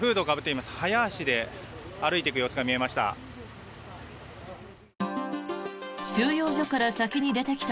早足で歩いていく様子が見られました。